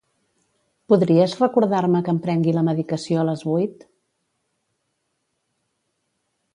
Podries recordar-me que em prengui la medicació a les vuit?